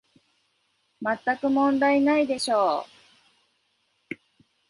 まったく問題ないでしょう